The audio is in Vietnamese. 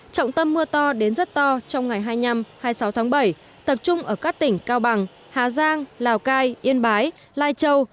trọng tâm mưa to đến rất to trong ngày hai mươi năm hai mươi sáu tháng bảy tập trung ở các tỉnh cao bằng hà giang lào cai yên bái lai châu